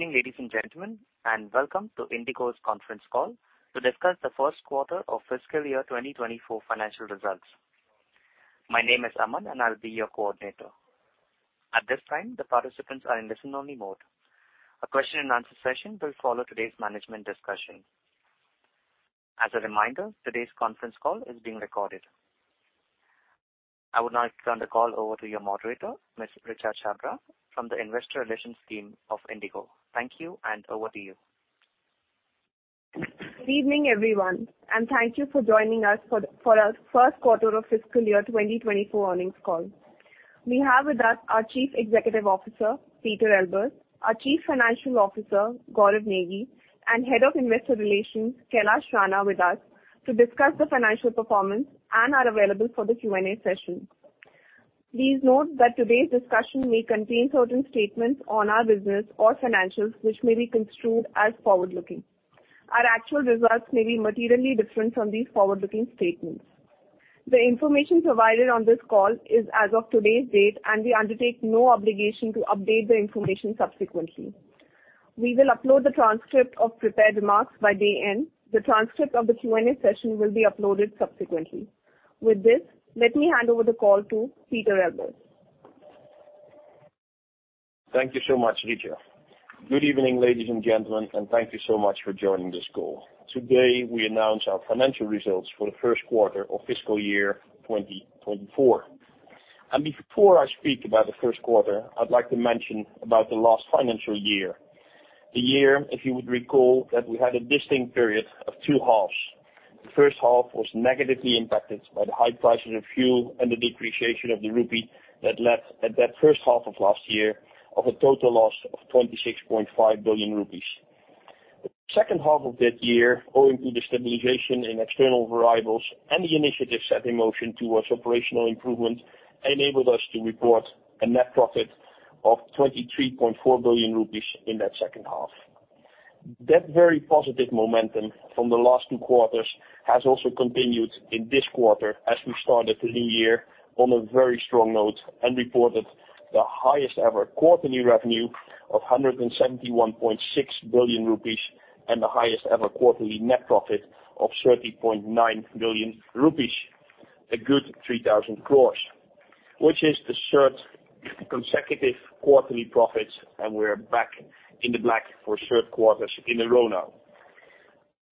Good evening, ladies and gentlemen, welcome to IndiGo's conference call to discuss the first quarter of fiscal year 2024 financial results. My name is Aman, I'll be your coordinator. At this time, the participants are in listen-only mode. A question and answer session will follow today's management discussion. As a reminder, today's conference call is being recorded. I would now turn the call over to your moderator, Ms. Richa Chhabra, from the Investor Relations team of IndiGo. Thank you, over to you. Good evening, everyone, and thank you for joining us for our first quarter of fiscal year 2024 earnings call. We have with us our Chief Executive Officer, Pieter Elbers, our Chief Financial Officer, Gaurav Negi, and Head of Investor Relations, Kailash Rana, with us to discuss the financial performance and are available for the Q&A session. Please note that today's discussion may contain certain statements on our business or financials, which may be construed as forward-looking. Our actual results may be materially different from these forward-looking statements. The information provided on this call is as of today's date, and we undertake no obligation to update the information subsequently. We will upload the transcript of prepared remarks by day end. The transcript of the Q&A session will be uploaded subsequently. With this, let me hand over the call to Pieter Elbers. Thank you so much, Richa. Good evening, ladies and gentlemen, thank you so much for joining this call. Today, we announce our financial results for the first quarter of fiscal year 2024. Before I speak about the first quarter, I'd like to mention about the last financial year. The year, if you would recall, that we had a distinct period of two halves. The first half was negatively impacted by the high prices of fuel and the depreciation of the rupee that led, at that first half of last year, of a total loss of 26.5 billion rupees. The second half of that year, owing to the stabilization in external variables and the initiatives set in motion towards operational improvement, enabled us to report a net profit of 23.4 billion rupees in that second half. That very positive momentum from the last 2 quarters has also continued in this quarter, as we started the new year on a very strong note and reported the highest ever quarterly revenue of 171.6 billion rupees, and the highest ever quarterly net profit of 30.9 billion rupees, a good 3,000 crore, which is the third consecutive quarterly profits. We're back in the black for third quarters in a row now.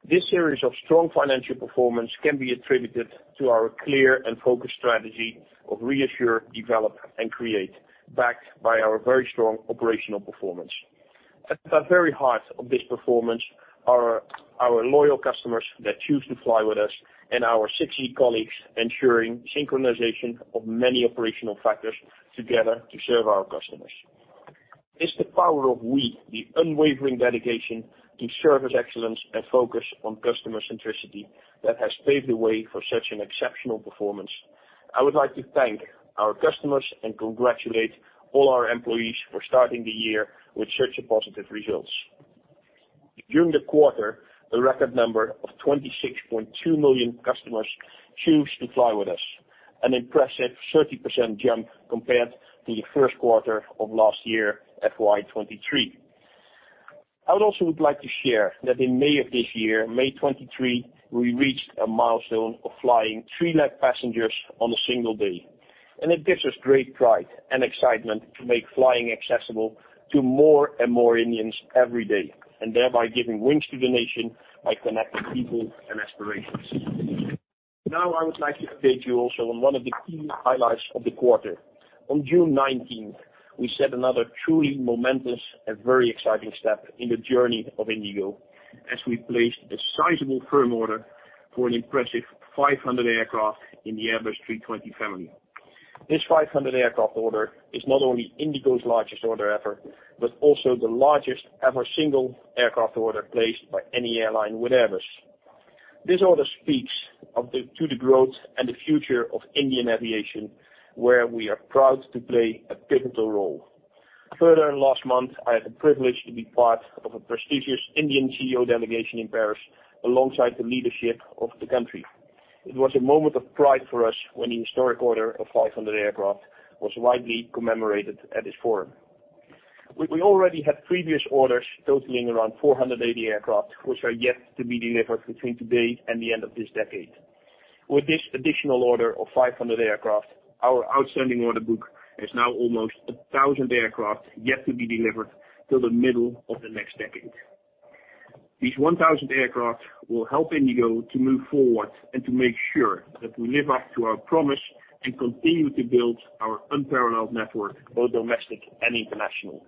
This series of strong financial performance can be attributed to our clear and focused strategy of reassure, develop, and create, backed by our very strong operational performance. At the very heart of this performance are our loyal customers that choose to fly with us, and our 60 colleagues ensuring synchronization of many operational factors together to serve our customers. It's the power of we, the unwavering dedication to service excellence and focus on customer centricity, that has paved the way for such an exceptional performance. I would like to thank our customers and congratulate all our employees for starting the year with such a positive results. During the quarter, a record number of 26.2 million customers choose to fly with us, an impressive 30% jump compared to the first quarter of last year, FY 2023. I would also would like to share that in May of this year, May 2023, we reached a milestone of flying 3 lakh passengers on a single day. It gives us great pride and excitement to make flying accessible to more and more Indians every day, thereby giving wings to the nation by connecting people and aspirations. On June 19th, we set another truly momentous and very exciting step in the journey of IndiGo, as we placed a sizable firm order for an impressive 500 aircraft in the Airbus A320 family. This 500 aircraft order is not only IndiGo's largest order ever, but also the largest ever single aircraft order placed by any airline with Airbus. This order speaks to the growth and the future of Indian aviation, where we are proud to play a pivotal role. Last month, I had the privilege to be part of a prestigious Indian CEO delegation in Paris, alongside the leadership of the country. It was a moment of pride for us when the historic order of 500 aircraft was widely commemorated at this forum. We, we already had previous orders totaling around 480 aircraft, which are yet to be delivered between today and the end of this decade. With this additional order of 500 aircraft, our outstanding order book is now almost 1,000 aircraft, yet to be delivered till the middle of the next decade. These 1,000 aircraft will help IndiGo to move forward and to make sure that we live up to our promise and continue to build our unparalleled network, both domestic and international.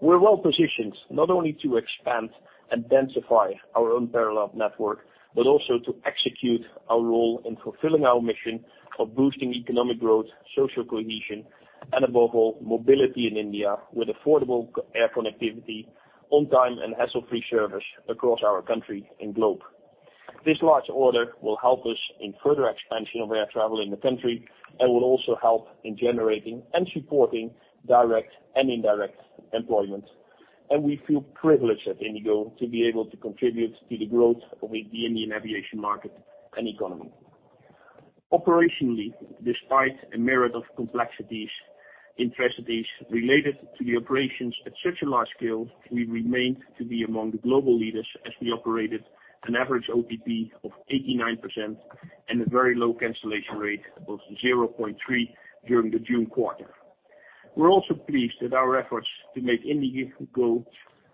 We're well-positioned not only to expand and densify our unparalleled network, but also to execute our role in fulfilling our mission of boosting economic growth, social cohesion, and above all, mobility in India, with affordable air connectivity, on time, and hassle-free service across our country and globe. This large order will help us in further expansion of air travel in the country, will also help in generating and supporting direct and indirect employment. We feel privileged at IndiGo to be able to contribute to the growth of the Indian aviation market and economy. Operationally, despite a myriad of complexities and tragedies related to the operations at such a large scale, we remained to be among the global leaders as we operated an average OTP of 89% and a very low cancellation rate of 0.3 during the June quarter. We're also pleased that our efforts to make IndiGo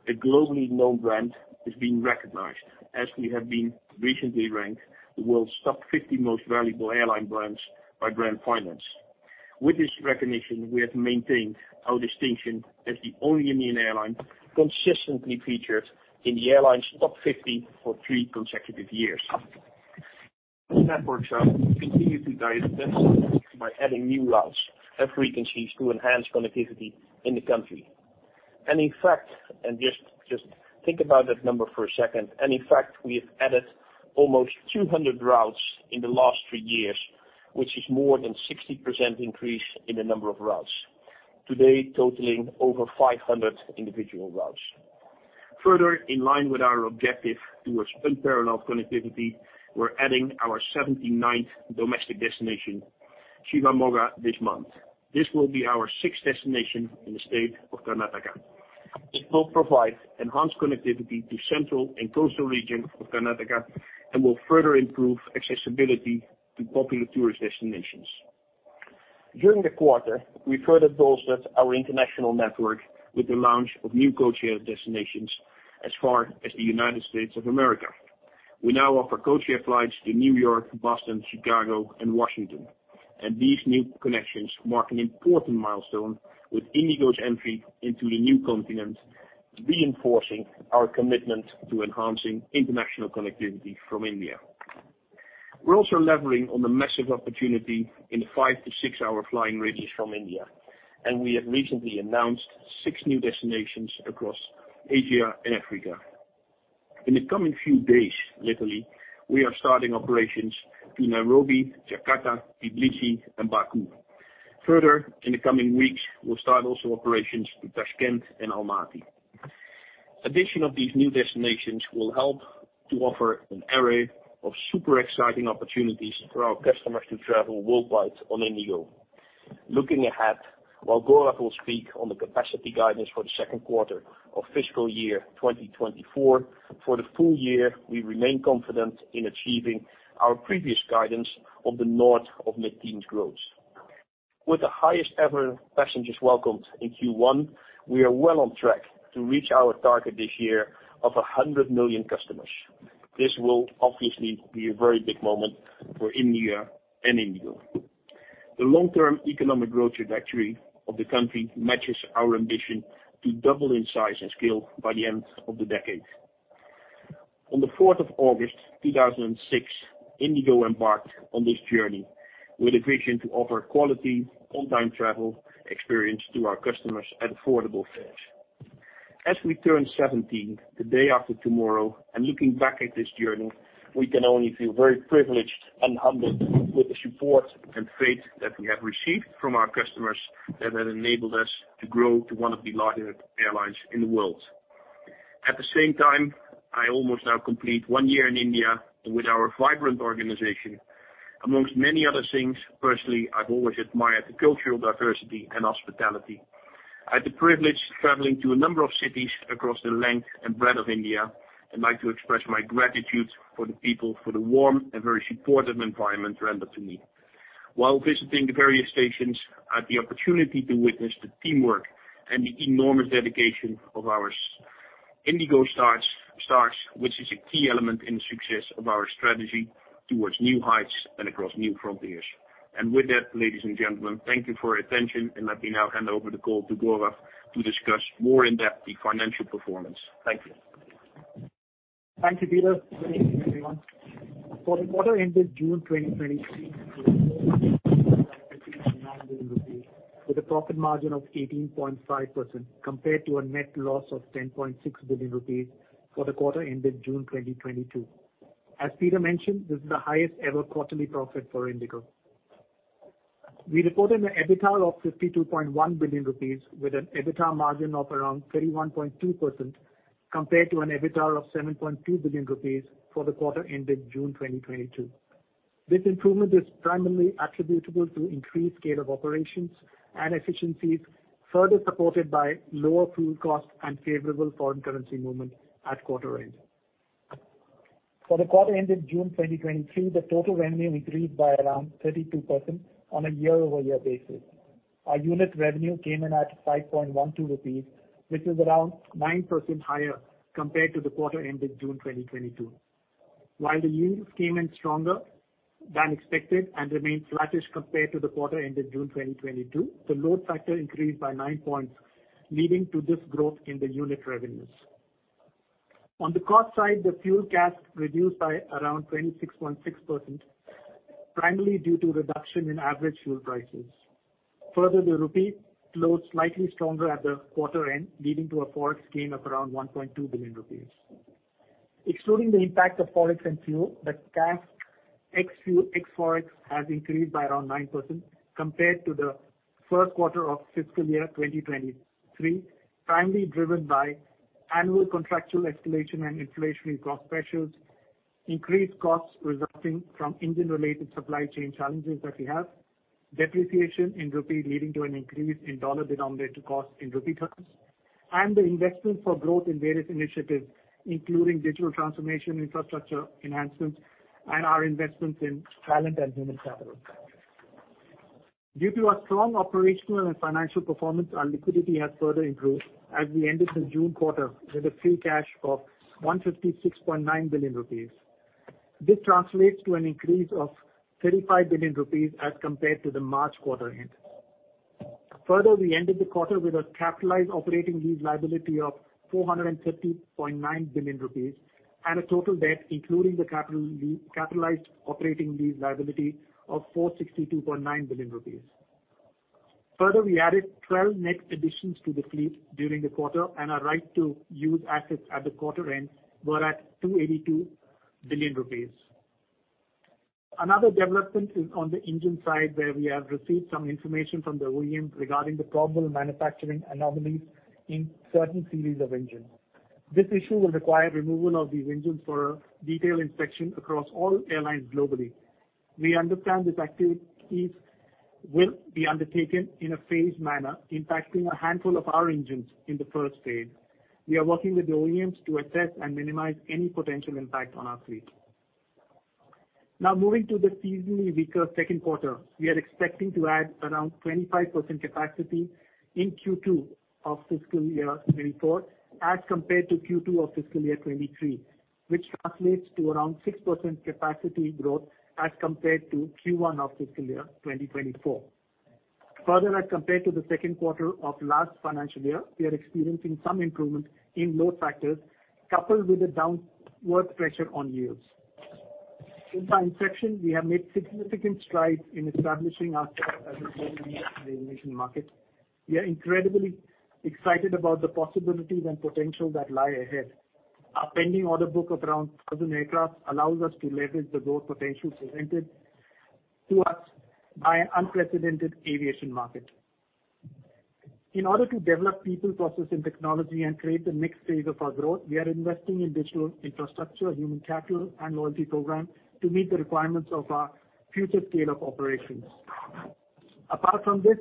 a globally known brand is being recognized, as we have been recently ranked the world's top 50 most valuable airline brands by Brand Finance. With this recognition, we have maintained our distinction as the only Indian airline consistently featured in the airline's top 50 for 3 consecutive years. Network. We continue to dive by adding new routes and frequencies to enhance connectivity in the country. In fact, just think about that number for a second. In fact, we have added almost 200 routes in the last 3 years, which is more than 60% increase in the number of routes, today totaling over 500 individual routes. Further, in line with our objective towards unparalleled connectivity, we're adding our 79th domestic destination, Shivamogga, this month. This will be our 6th destination in the state of Karnataka. It will provide enhanced connectivity to central and coastal region of Karnataka, and will further improve accessibility to popular tourist destinations. During the quarter, we further bolstered our international network with the launch of new codeshare destinations as far as the United States of America. We now offer codeshare flights to New York, Boston, Chicago, and Washington. These new connections mark an important milestone with IndiGo's entry into the new continent, reinforcing our commitment to enhancing international connectivity from India. We're also leveling on the massive opportunity in the five-to-six-hour flying radius from India. We have recently announced six new destinations across Asia and Africa. In the coming few days, literally, we are starting operations to Nairobi, Jakarta, Tbilisi, and Baku. Further, in the coming weeks, we'll start also operations to Tashkent and Almaty. Addition of these new destinations will help to offer an array of super exciting opportunities for our customers to travel worldwide on IndiGo. Looking ahead, while Gaurav will speak on the capacity guidance for the second quarter of fiscal year 2024, for the full year, we remain confident in achieving our previous guidance of the north of mid-teens growth. With the highest ever passengers welcomed in Q1, we are well on track to reach our target this year of 100 million customers. This will obviously be a very big moment for India and IndiGo. The long-term economic growth trajectory of the country matches our ambition to double in size and scale by the end of the decade. On the fourth of August, two thousand and six, IndiGo embarked on this journey with a vision to offer quality, on-time travel experience to our customers at affordable fares. As we turn 17, the day after tomorrow, and looking back at this journey, we can only feel very privileged and humbled with the support and faith that we have received from our customers, that have enabled us to grow to one of the largest airlines in the world. At the same time, I almost now complete 1 year in India with our vibrant organization. Amongst many other things, personally, I've always admired the cultural diversity and hospitality. I had the privilege of traveling to a number of cities across the length and breadth of India. I'd like to express my gratitude for the people, for the warm and very supportive environment rendered to me. While visiting the various stations, I had the opportunity to witness the teamwork and the enormous dedication of our IndiGo stars, stars, which is a key element in the success of our strategy towards new heights and across new frontiers. With that, ladies and gentlemen, thank you for your attention, and let me now hand over the call to Gaurav to discuss more in-depth the financial performance. Thank you. Thank you, Pieter. Good evening, everyone. For the quarter ended June 2023, with a profit margin of 18.5%, compared to a net loss of 10.6 billion rupees for the quarter ended June 2022. As Pieter mentioned, this is the highest ever quarterly profit for IndiGo. We reported an EBITDA of 52.1 billion rupees, with an EBITDA margin of around 31.2%, compared to an EBITDA of 7.2 billion rupees for the quarter ended June 2022. This improvement is primarily attributable to increased scale of operations and efficiencies, further supported by lower fuel costs and favorable foreign currency movement at quarter end. For the quarter ended June 2023, the total revenue increased by around 32% on a year-over-year basis. Our unit revenue came in at 5.12 rupees, which is around 9% higher compared to the quarter ended June 2022. While the units came in stronger than expected and remained flattish compared to the quarter ended June 2022, the load factor increased by nine points, leading to this growth in the unit revenues. On the cost side, the fuel CASK reduced by around 26.6%, primarily due to reduction in average fuel prices. The rupee closed slightly stronger at the quarter end, leading to a forex gain of around 1.2 billion rupees. Excluding the impact of forex and fuel, the CASK ex-fuel, ex-forex, has increased by around 9% compared to the first quarter of fiscal year 2023, primarily driven by... annual contractual escalation and inflationary cost pressures, increased costs resulting from engine-related supply chain challenges that we have, depreciation in rupee leading to an increase in dollar-denominated costs in rupee terms, and the investment for growth in various initiatives, including digital transformation, infrastructure enhancements, and our investments in talent and human capital. Due to our strong operational and financial performance, our liquidity has further improved as we ended the June quarter with a free cash of 156.9 billion rupees. This translates to an increase of 35 billion rupees as compared to the March quarter end. Further, we ended the quarter with a capitalized operating lease liability of 450.9 billion rupees, and a total debt, including the capitalized operating lease liability of 462.9 billion rupees. We added 12 net additions to the fleet during the quarter. Our right-of-use assets at the quarter end were at 282 billion rupees. Another development is on the engine side, where we have received some information from the OEM regarding the probable manufacturing anomalies in certain series of engines. This issue will require removal of these engines for a detailed inspection across all airlines globally. We understand these activities will be undertaken in a phased manner, impacting a handful of our engines in the first phase. We are working with the OEMs to assess and minimize any potential impact on our fleet. Moving to the seasonally weaker second quarter, we are expecting to add around 25% capacity in Q2 of fiscal year 2024, as compared to Q2 of fiscal year 2023, which translates to around 6% capacity growth as compared to Q1 of fiscal year 2024. As compared to the second quarter of last financial year, we are experiencing some improvement in load factors, coupled with a downward pressure on yields. In manufacturing, we have made significant strides in establishing ourselves as a global leader in the aviation market. We are incredibly excited about the possibilities and potential that lie ahead. Our pending order book of around 1,000 aircraft allows us to leverage the growth potential presented to us by an unprecedented aviation market. In order to develop people, process, and technology and create the next phase of our growth, we are investing in digital infrastructure, human capital, and loyalty program to meet the requirements of our future scale-up operations. Apart from this,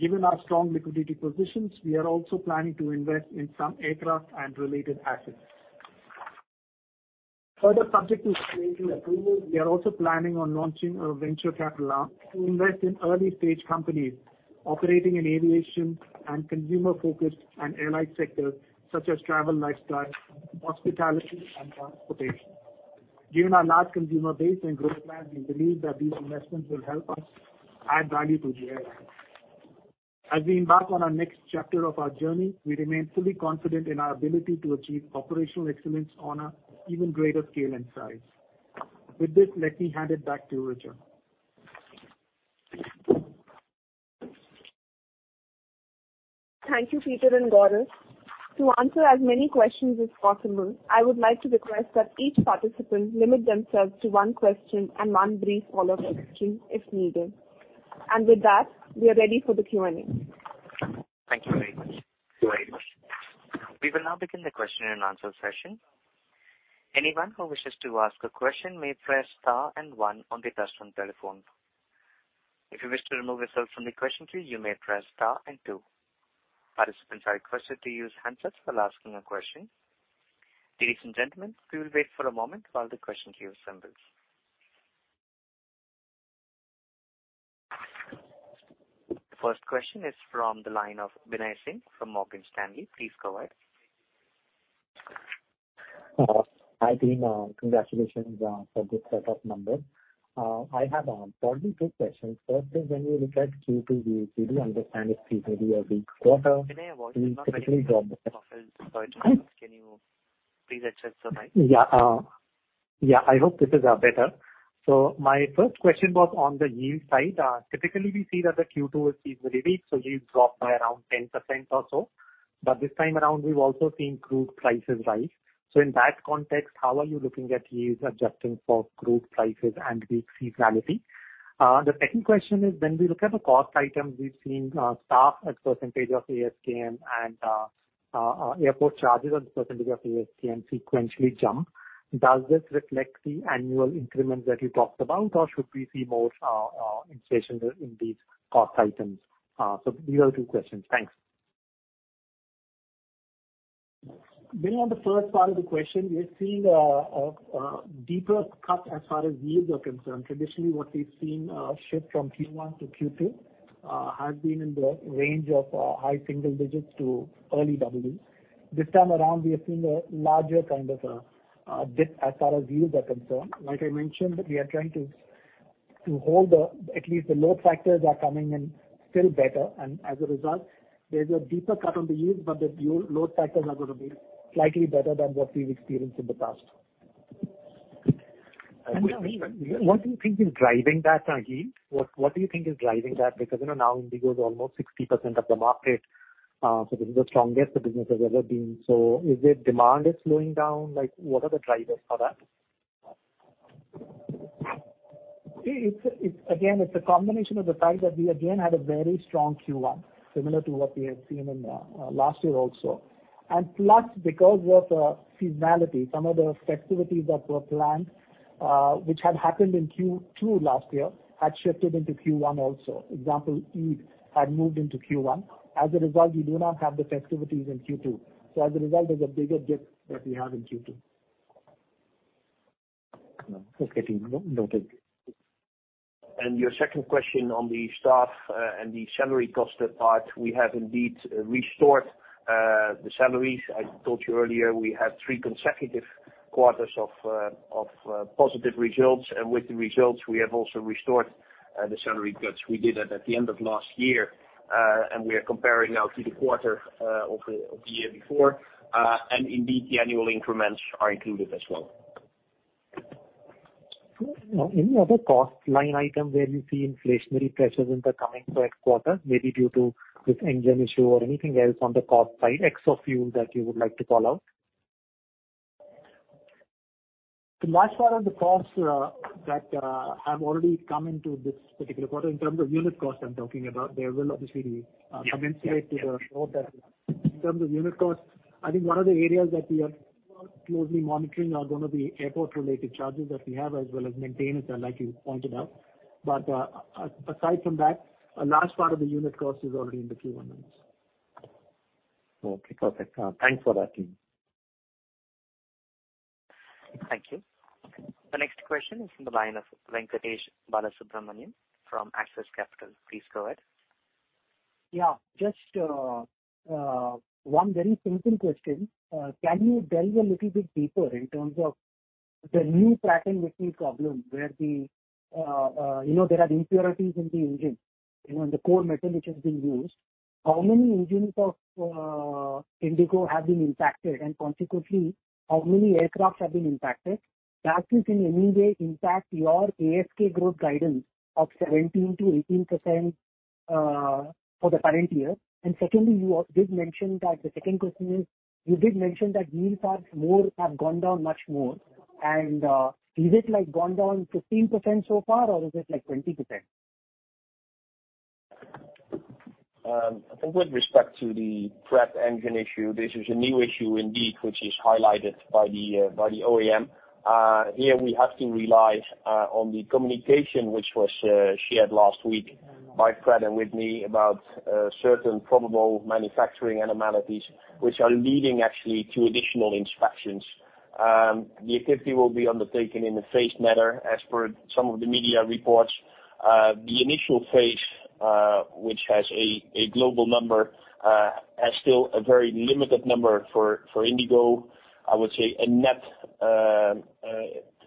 given our strong liquidity positions, we are also planning to invest in some aircraft and related assets. Further, subject to regulatory approval, we are also planning on launching a venture capital arm to invest in early-stage companies operating in aviation and consumer-focused and airline sectors, such as travel, lifestyle, hospitality, and transportation. Given our large consumer base and growth plan, we believe that these investments will help us add value to the airline. As we embark on our next chapter of our journey, we remain fully confident in our ability to achieve operational excellence on a even greater scale and size. With this, let me hand it back to Richa. Thank you, Pieter and Gaurav. To answer as many questions as possible, I would like to request that each participant limit themselves to one question and one brief follow-up question, if needed. With that, we are ready for the Q&A. Thank you very much. We will now begin the question-and-answer session. Anyone who wishes to ask a question may press star and one on the touchtone telephone. If you wish to remove yourself from the question queue, you may press star and two. Participants are requested to use handsets while asking a question. Ladies and gentlemen, we will wait for a moment while the question queue assembles. The first question is from the line of Binay Singh from Morgan Stanley. Please go ahead. Hi, team. Congratulations for the set of numbers. I have probably two questions. First is, when we look at Q2, we usually understand it may be a weak quarter- Binay, your volume is not very... Sorry to interrupt. Can you please adjust the mic? Yeah, yeah, I hope this is better. My first question was on the yield side. Typically we see that the Q2 is seasonally, so yields drop by around 10% or so. This time around, we've also seen crude prices rise. In that context, how are you looking at yields adjusting for crude prices and the seasonality? The second question is, when we look at the cost items, we've seen staff as % of ASK and airport charges as a % of ASK sequentially jump. Does this reflect the annual increments that you talked about, or should we see more inflation in these cost items? These are 2 questions. Thanks. Binay, on the first part of the question, we've seen a deeper cut as far as yields are concerned. Traditionally, what we've seen shift from Q1 to Q2 has been in the range of high single digits to early double digits. This time around, we have seen a larger kind of dip as far as yields are concerned. Like I mentioned, we are trying to hold the at least the load factors are coming in still better. As a result, there's a deeper cut on the yields. The yield load factors are gonna be slightly better than what we've experienced in the past. What do you think is driving that, again? What, what do you think is driving that? Because, you know, now IndiGo is almost 6E% of the market, so this is the strongest the business has ever been. Is it demand is slowing down? Like, what are the drivers for that? See, it's, it's again, it's a combination of the fact that we again had a very strong Q1, similar to what we had seen in last year also. Plus, because of the seasonality, some of the festivities that were planned, which had happened in Q2 last year, had shifted into Q1 also. Example, Eid had moved into Q1. As a result, we do not have the festivities in Q2, so as a result, there's a bigger dip that we have in Q2. Okay, noted. Your second question on the staff, and the salary cost part, we have indeed restored the salaries. I told you earlier, we had 3 consecutive quarters of positive results, and with the results, we have also restored the salary cuts. We did it at the end of last year, and we are comparing now to the quarter of the year before. Indeed, the annual increments are included as well. Any other cost line item where you see inflationary pressures in the coming next quarter, maybe due to this engine issue or anything else on the cost side, ex of fuel, that you would like to call out? The last part of the costs, that, have already come into this particular quarter, in terms of unit costs, I'm talking about, they will obviously, commensurate to the growth. In terms of unit costs, I think one of the areas that we are closely monitoring are going to be airport-related charges that we have, as well as maintenance, like you pointed out. Aside from that, a large part of the unit cost is already in the Q1 months. Okay, perfect. Thanks for that. Thank you. The next question is from the line of Venkatesh Balasubramaniam from Axis Capital. Please go ahead. Yeah, just one very simple question. Can you delve a little bit deeper in terms of the new Pratt & Whitney problem, where the, you know, there are impurities in the engine, in the core metal which has been used. How many engines of IndiGo have been impacted, and consequently, how many aircraft have been impacted? Does this in any way impact your ASK growth guidance of 17%-18% for the current year? Secondly, you did mention that... The second question is, you did mention that yield parts more have gone down much more, and is it, like, gone down 15% so far, or is it, like, 20%? I think with respect to the Pratt engine issue, this is a new issue indeed, which is highlighted by the by the OEM. Here we have to rely on the communication which was shared last week by Pratt & Whitney about certain probable manufacturing abnormalities, which are leading actually to additional inspections. The activity will be undertaken in a phased manner as per some of the media reports. The initial phase, which has a global number, has still a very limited number for for IndiGo. I would say a net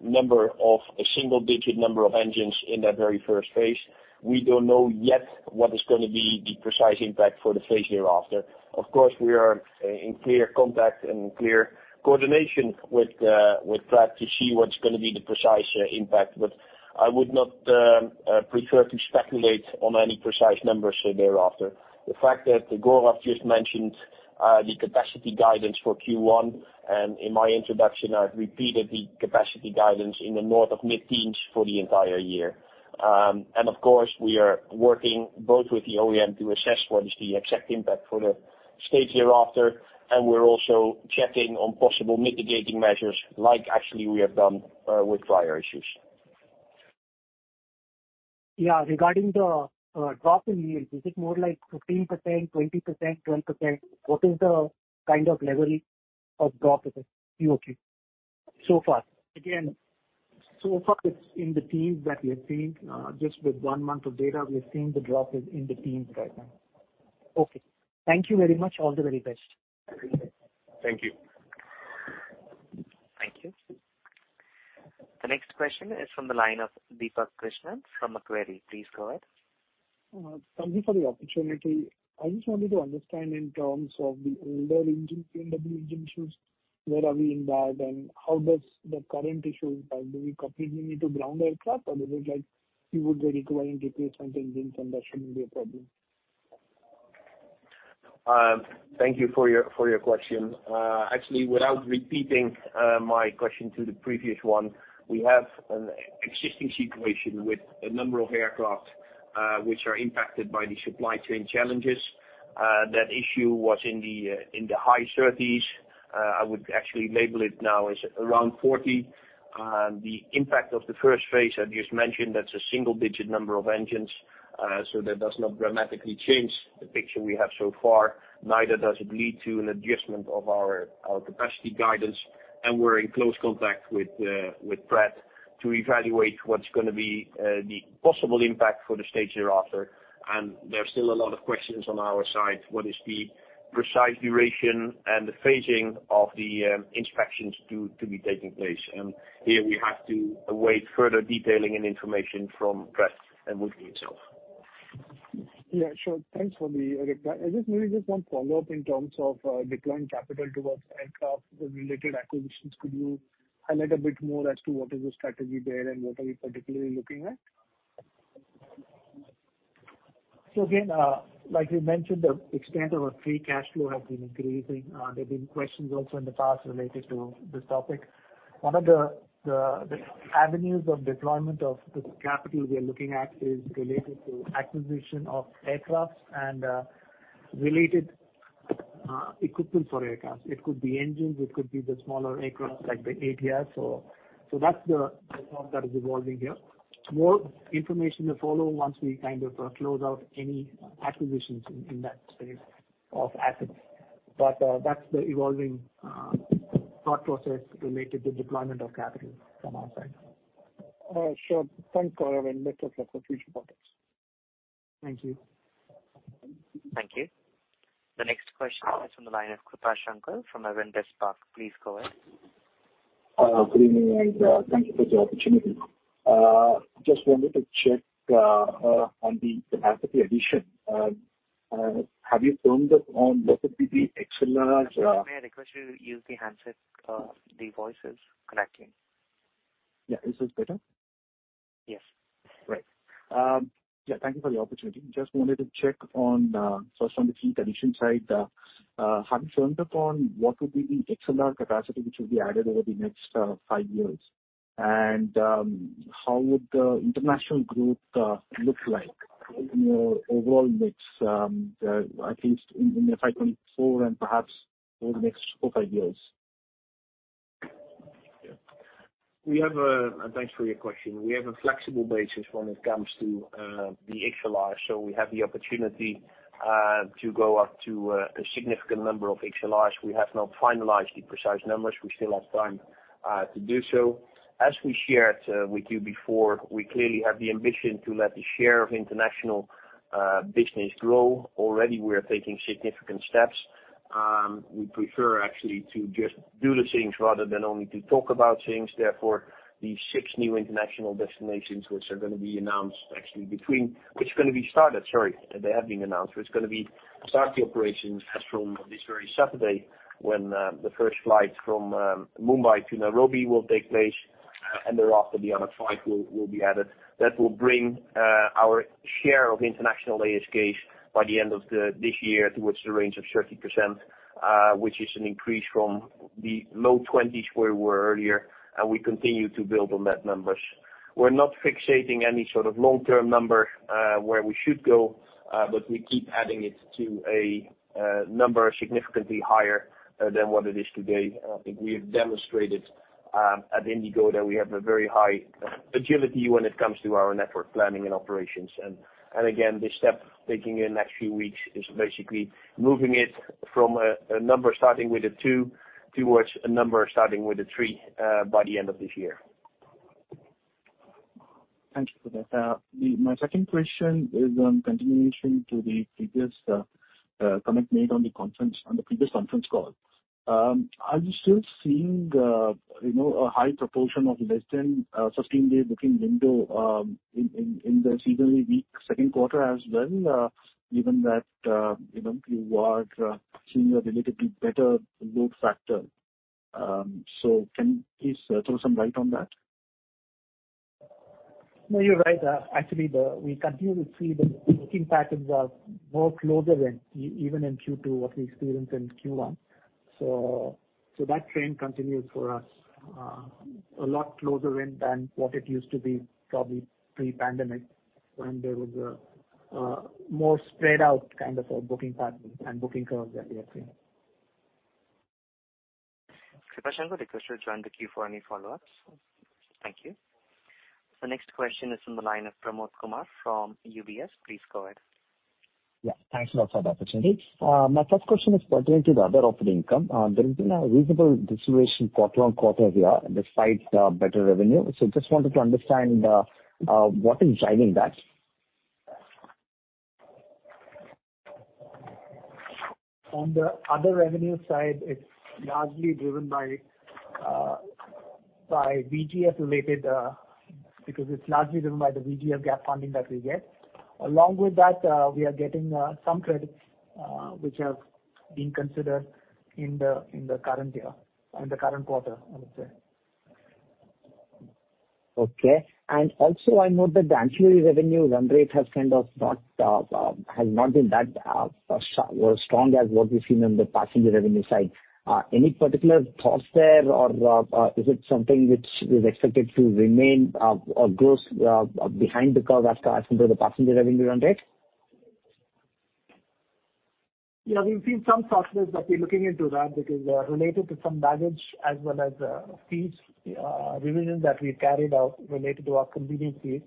number of a single-digit number of engines in that very first phase. We don't know yet what is going to be the precise impact for the phase hereafter. Of course, we are in clear contact and clear coordination with Pratt to see what's going to be the precise impact, but I would not prefer to speculate on any precise numbers thereafter. The fact that Gaurav just mentioned the capacity guidance for Q1, and in my introduction, I've repeated the capacity guidance in the north of mid-teens for the entire year. Of course, we are working both with the OEM to assess what is the exact impact for the stage hereafter, and we're also checking on possible mitigating measures, like actually we have done with prior issues. Yeah, regarding the drop in yields, is it more like 15%, 20%, 10%? What is the kind of level of drop, okay, so far? So far it's in the teens that we're seeing. Just with one month of data, we're seeing the drop is in the teens right now. Okay. Thank you very much. All the very best. Thank you. Thank you. The next question is from the line of Deepak Krishnan from Macquarie. Please go ahead. Thank you for the opportunity. I just wanted to understand in terms of the older engine, PW engine issues, where are we in that, and how does the current issue, do we completely need to ground aircraft, or is it, like, you would be requiring replacement engines, and that shouldn't be a problem? Thank you for your, for your question. Actually, without repeating, my question to the previous one, we have an existing situation with a number of aircraft, which are impacted by the supply chain challenges. That issue was in the, in the high thirties. I would actually label it now as around 40. The impact of the first phase, I've just mentioned, that's a single-digit number of engines. So that does not dramatically change the picture we have so far, neither does it lead to an adjustment of our, our capacity guidance, and we're in close contact with Pratt to evaluate what's going to be the possible impact for the stage thereafter. There are still a lot of questions on our side, what is the precise duration and the phasing of the inspections to, to be taking place? Here we have to await further detailing and information from Pratt & Whitney itself. Yeah, sure. Thanks for the reply. I just maybe just one follow-up in terms of deploying capital towards aircraft-related acquisitions. Could you highlight a bit more as to what is the strategy there, and what are you particularly looking at? Again, like we mentioned, the extent of our free cash flow has been increasing. There have been questions also in the past related to this topic. One of the avenues of deployment of this capital we are looking at is related to acquisition of aircrafts and related equipment for aircraft. It could be engines, it could be the smaller aircraft, like the ATR or, so that's the part that is evolving here. More information to follow once we kind of close out any acquisitions in, in that space of assets. That's the evolving, thought process related to deployment of capital from our side. Sure. Thanks for letting us look for future products. Thank you. Thank you. The next question is from the line of Krupa Shankar from Avendus Spark. Please go ahead. Good evening, and, thank you for the opportunity. Just wanted to check, on the capacity addition. Have you firmed up on what would be the excellent large? Sir, may I request you to use the handset? The voice is cracking. Yeah. Is this better? Yes. Great. Thank you for the opportunity. Just wanted to check on first on the fleet addition side have you firmed up on what would be the XLR capacity, which will be added over the next 5 years? How would the international growth look like in your overall mix at least in, in the 2024 and perhaps over the next 4, 5 years? Thanks for your question. We have a flexible basis when it comes to the XLR. We have the opportunity to go up to a significant number of A321XLRs. We have not finalized the precise numbers. We still have time to do so. As we shared with you before, we clearly have the ambition to let the share of international business grow. Already, we are taking significant steps. We prefer actually to just do the things, rather than only to talk about things. Therefore, the six new international destinations, which are going to be announced actually, which are going to be started, sorry, they have been announced. We're going to be starting operations as from this very Saturday, when the first flight from Mumbai to Nairobi will take place. Thereafter the other flight will, will be added. That will bring our share of international ASKs by the end of this year, towards the range of 30%, which is an increase from the low 20s, where we were earlier. We continue to build on that numbers. We're not fixating any sort of long-term number where we should go. We keep adding it to a number significantly higher than what it is today. I think we have demonstrated at IndiGo that we have a very high agility when it comes to our network planning and operations. Again, this step, taking in next few weeks, is basically moving it from a, a number starting with a 2 towards a number starting with a 3, by the end of this year. Thank you for that. My second question is on continuation to the previous comment made on the conference, on the previous conference call. Are you still seeing, you know, a high proportion of less than 15-day booking window in the seasonally weak second quarter as well, given that, you know, you are seeing a relatively better load factor? So can you please throw some light on that? No, you're right. actually, we continue to see the booking patterns are more closer than even in Q2 what we experienced in Q1. That trend continues for us, a lot closer than, than what it used to be, probably pre-pandemic, when there was a, more spread out kind of a booking pattern and booking curve that we have seen. Krupa Shankar, I request you to join the queue for any follow-ups. Thank you. The next question is from the line of Pramod Kumar from UBS. Please go ahead. Yeah, thanks a lot for the opportunity. My first question is pertaining to the other operating income. There has been a reasonable deterioration quarter-on-quarter here, despite better revenue. Just wanted to understand what is driving that? On the other revenue side, it's largely driven by VGF-related, because it's largely driven by the VGF gap funding that we get. Along with that, we are getting some credits, which have been considered in the current year, in the current quarter, I would say. Okay. Also, I note that the ancillary revenue run rate has kind of not, has not been that strong as what we've seen on the passenger revenue side. Any particular thoughts there, or, is it something which is expected to remain, or goes behind the curve as compared to the passenger revenue run rate? We've seen some softness, but we're looking into that, because related to some baggage as well as fees revisions that we carried out related to our convenience fees.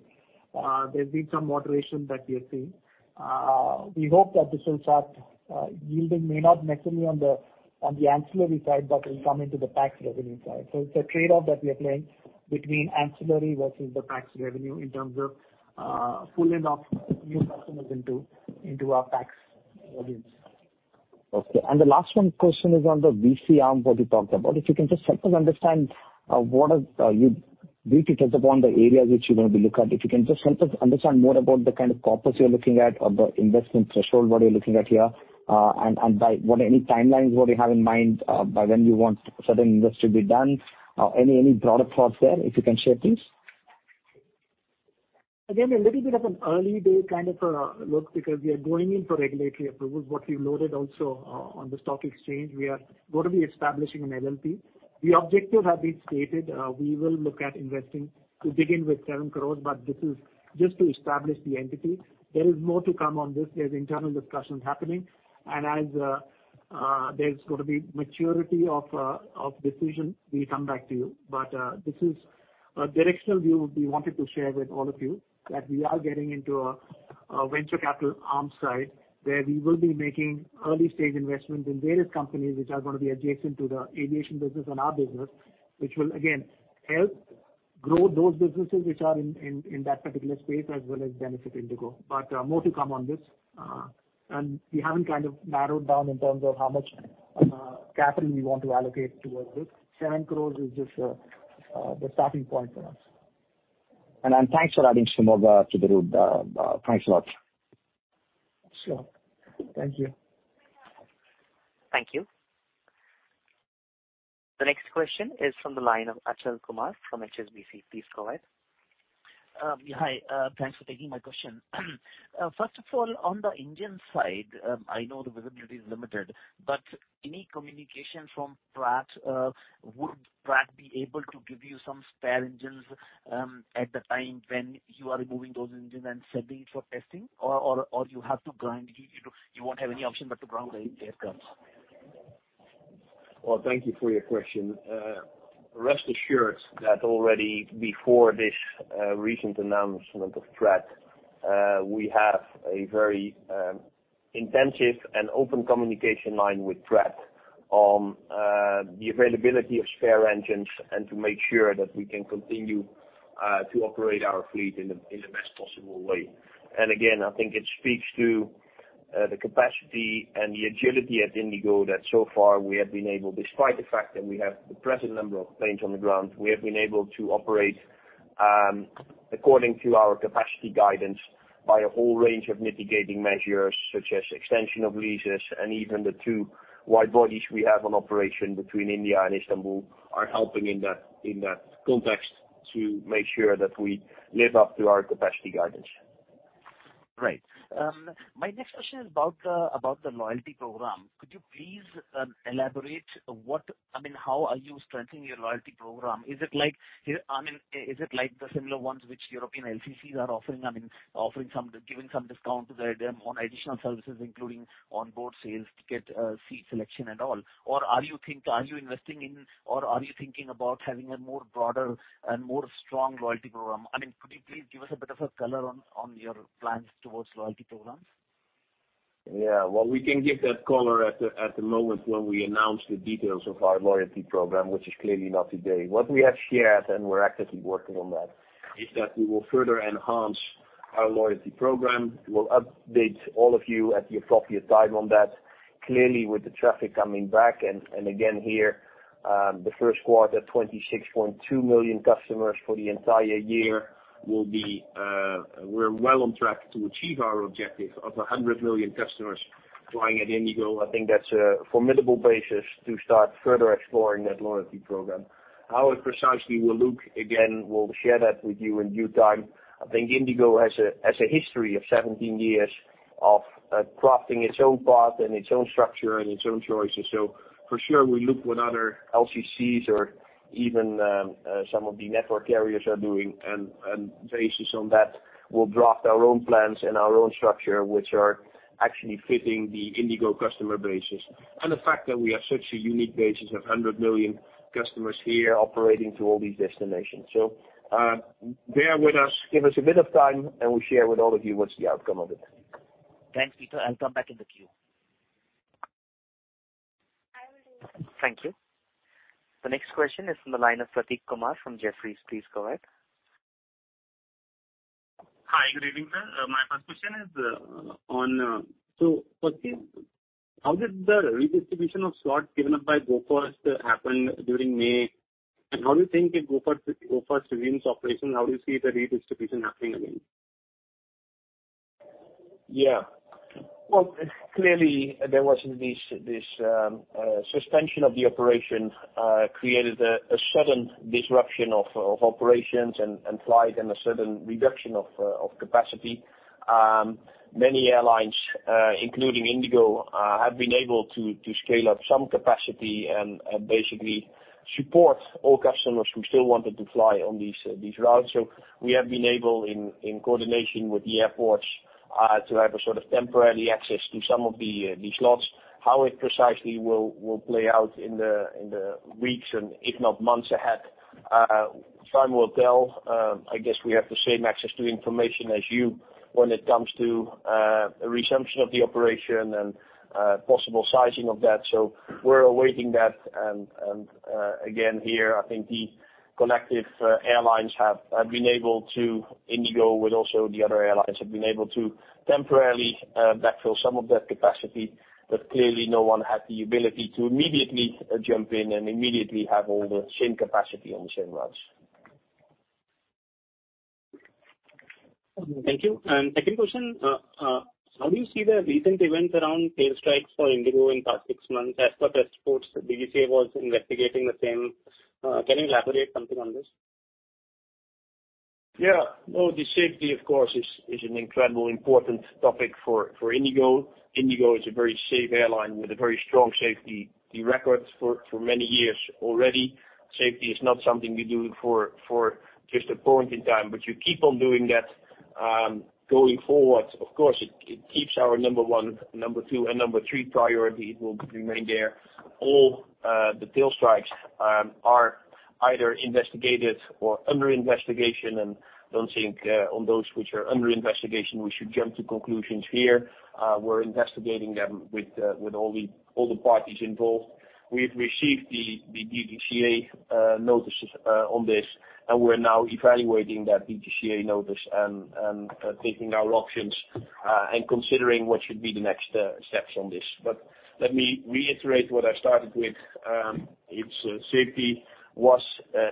There's been some moderation that we are seeing. We hope that this will start yielding, may not necessarily on the, on the ancillary side, but will come into the tax revenue side. It's a trade-off that we are playing between ancillary versus the tax revenue, in terms of pulling of new customers into, into our tax revenues. Okay, the last 1 question is on the VC arm, what you talked about. If you can just help us understand, what are, Due to touch upon the areas which you're going to be looking at, if you can just help us understand more about the kind of corpus you're looking at, or the investment threshold, what you're looking at here, and, and by what are any timelines, what you have in mind, by when you want certain investors to be done? Any, any broader thoughts there, if you can share, please? Again, a little bit of an early day kind of look, because we are going in for regulatory approval. What we loaded also on the stock exchange, we are going to be establishing an LLP. The objective have been stated, we will look at investing to begin with 7 crore, but this is just to establish the entity. There is more to come on this. There's internal discussions happening, and as there's going to be maturity of decision, we come back to you. This is a directional view we wanted to share with all of you, that we are getting into a, a venture capital arm side, where we will be making early stage investments in various companies which are going to be adjacent to the aviation business and our business, which will again help grow those businesses which are in, in, in that particular space, as well as benefit IndiGo. More to come on this. We haven't kind of narrowed down in terms of how much capital we want to allocate towards this. 7 crore is just the starting point for us. Thanks for adding some more to the group. Thanks a lot. Sure. Thank you. Thank you. The next question is from the line of Achal Kumar from HSBC. Please go ahead. Yeah, hi. Thanks for taking my question. First of all, on the engine side, I know the visibility is limited, but any communication from Pratt, would Pratt be able to give you some spare engines at the time when you are removing those engines and sending it for testing? Or you won't have any option but to ground the aircraft? Well, thank you for your question. Rest assured that already before this recent announcement of Pratt, we have a very intensive and open communication line with Pratt on the availability of spare engines and to make sure that we can continue to operate our fleet in the, in the best possible way. Again, I think it speaks to the capacity and the agility at IndiGo, that so far we have been able, despite the fact that we have the present number of planes on the ground, we have been able to operate according to our capacity guidance by a whole range of mitigating measures, such as extension of leases and even the two wide bodies we have on operation between India and Istanbul, are helping in that, in that context, to make sure that we live up to our capacity guidance. Great. My next question is about the loyalty program. Could you please, I mean, how are you strengthening your loyalty program? Is it like, I mean, is it like the similar ones which European LCCs are offering, I mean, offering some, giving some discount to the, on additional services, including on board sales, ticket, seat selection and all? Or are you investing in, or are you thinking about having a more broader and more strong loyalty program? I mean, could you please give us a bit of a color on your plans towards loyalty programs? Yeah, well, we can give that color at the, at the moment when we announce the details of our loyalty program, which is clearly not today. What we have shared, and we're actively working on that, is that we will further enhance our loyalty program. We'll update all of you at the appropriate time on that. Clearly, with the traffic coming back and, and again, here, the first quarter, 26.2 million customers for the entire year will be, we're well on track to achieve our objective of 100 million customers flying at IndiGo. I think that's a formidable basis to start further exploring that loyalty program. How it precisely will look, again, we'll share that with you in due time. I think IndiGo has a, has a history of 17 years of crafting its own path and its own structure and its own choices. For sure, we look what other LCCs or even some of the network carriers are doing, and based on that, we'll draft our own plans and our own structure, which are actually fitting the IndiGo customer bases. The fact that we have such a unique basis of 100 million customers here operating to all these destinations. Bear with us, give us a bit of time, and we'll share with all of you what's the outcome of it. Thanks, Pieter. I'll come back in the queue. Thank you. The next question is from the line of Prateek Kumar, from Jefferies. Please go ahead. Hi, good evening, sir. My first question is. First thing, how did the redistribution of slots given up by Go First happen during May? How do you think if Go First, Go First resumes operation, how do you see the redistribution happening again? Yeah. Well, clearly, there was this, this, suspension of the operation, created a, a sudden disruption of, of operations and, and flight and a sudden reduction of, capacity. Many airlines, including IndiGo, have been able to, to scale up some capacity and, and basically support all customers who still wanted to fly on these, these routes. We have been able, in, in coordination with the airports, to have a sort of temporary access to some of the, these slots. How it precisely will, will play out in the, in the weeks and if not, months ahead, time will tell. I guess we have the same access to information as you, when it comes to, a resumption of the operation and, possible sizing of that. We're awaiting that. Again, here, I think the collective airlines have, have been able to, IndiGo, with also the other airlines, have been able to temporarily backfill some of that capacity, but clearly no one had the ability to immediately jump in and immediately have all the same capacity on the same routes. Thank you. Second question, how do you see the recent events around tailstrikes for IndiGo in the past six months? As per press reports, the DGCA was investigating the same. Can you elaborate something on this? Yeah, no, the safety, of course, is, is an incredibly important topic for, for IndiGo. IndiGo is a very safe airline with a very strong safety, the records for, for many years already. Safety is not something we do for, for just a point in time, but you keep on doing that, going forward. Of course, it, it keeps our number one, number two, and number three priority. It will remain there. All the tailstrikes are either investigated or under investigation, and I don't think on those which are under investigation, we should jump to conclusions here. We're investigating them with all the, all the parties involved. We've received the, the DGCA notices on this, and we're now evaluating that DGCA notice and, and taking our options and considering what should be the next steps on this. Let me reiterate what I started with. It's safety was,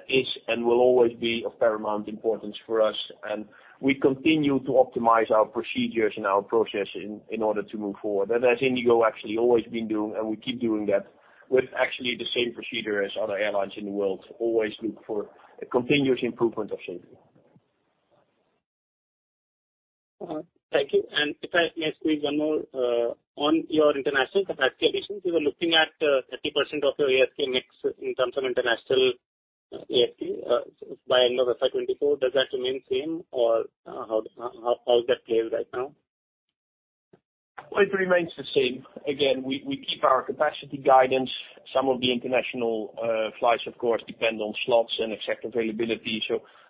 is, and will always be of paramount importance for us, and we continue to optimize our procedures and our process in, in order to move forward. As IndiGo, actually, always been doing, and we keep doing that with actually the same procedure as other airlines in the world, always look for a continuous improvement of safety. thank you. If I may squeeze one more, on your international capacity additions, you were looking at, 30% of your ASK mix in terms of international, ASK, by end of FY 2024. Does that remain same or, how, how, how is that playing right now? Well, it remains the same. Again, we, we keep our capacity guidance. Some of the international flights, of course, depend on slots and accept availability.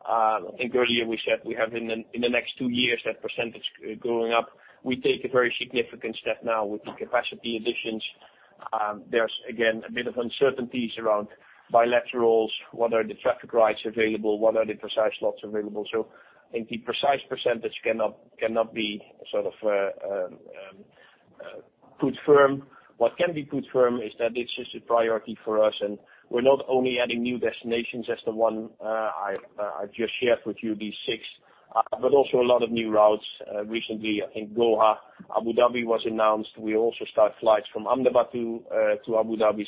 I think earlier we said we have in the, in the next two years, that percentage growing up. We take a very significant step now with the capacity additions. There's, again, a bit of uncertainties around bilaterals, what are the traffic rights available, what are the precise slots available? I think the precise percentage cannot, cannot be sort of put firm. What can be put firm is that this is a priority for us, and we're not only adding new destinations as the one I just shared with you, these six, but also a lot of new routes. Recently, I think, Goa, Abu Dhabi was announced. We also start flights from Ahmedabad to to Abu Dhabi.